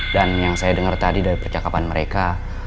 dan yang saya dengar tadi dari percakapan mereka